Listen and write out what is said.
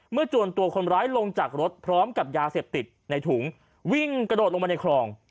จวนตัวคนร้ายลงจากรถพร้อมกับยาเสพติดในถุงวิ่งกระโดดลงมาในคลอง